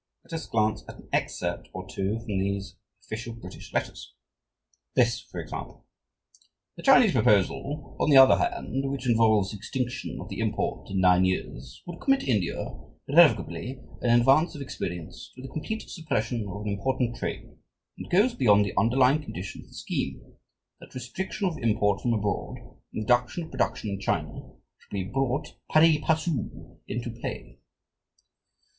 Let us glance at an excerpt or two from these official British letters. This, for example: "The Chinese proposal, on the other hand, which involves extinction of the import in nine years, would commit India irrevocably, and in advance of experience, to the complete suppression of an important trade, and goes beyond the underlying condition of the scheme, that restriction of import from abroad, and reduction of production in China, shall be brought pari passu into play."